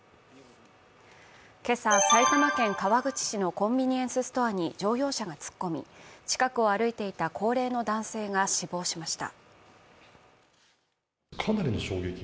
今朝、埼玉県川口市のコンビニエンスストアに乗用車が突っ込み、近くを歩いていた高齢の男性が死亡しました。